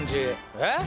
えっ？